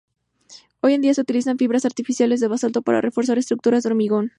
Hoy en día se utilizan fibras artificiales de basalto para reforzar estructuras de hormigón.